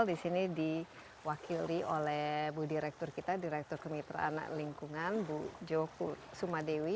di sini diwakili oleh bu direktur kita direktur kemitraan lingkungan bu joko sumadewi